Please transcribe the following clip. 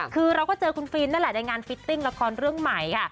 คือเราก็เจอคุณฟิล์มนั่นแหละในงานฟิตติ้งละครเรื่องใหม่ค่ะ